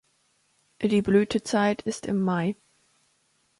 Die Blütezeit ist im Mai.